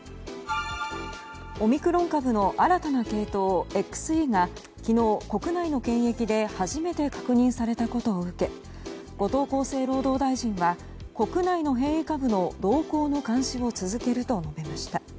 オミクロン株の新たな系統ＸＥが昨日、国内の検疫で初めて確認されたことを受け後藤厚生労働大臣は国内の変異株の動向の監視を続けると述べました。